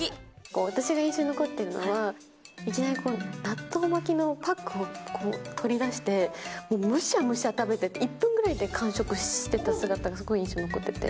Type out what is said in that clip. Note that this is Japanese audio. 私が印象に残ってるのは、いきなり納豆巻きのパックをこう、取り出して、むしゃむしゃ食べて、１分ぐらいで完食してた姿がすごい印象に残ってて。